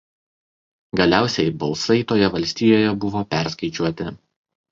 Galiausiai balsai toje valstijoje buvo perskaičiuoti.